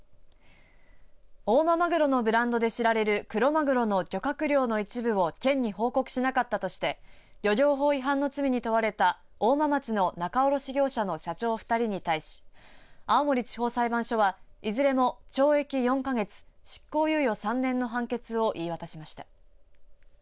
大間まぐろのブランドで知られるクロマグロの漁獲量の一部を県に報告しなかったとして漁業法違反の罪に問われた大間町の仲卸業者の社長２人に対し青森地方裁判所はいずれも懲役４か月執行猶予３年の判決を言い渡しました。